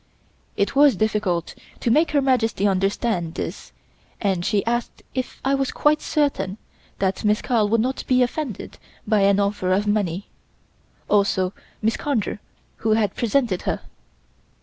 It was difficult to make Her Majesty understand this and she asked if I was quite certain that Miss Carl would not be offended by an offer of money, also Mrs. Conger who had presented her.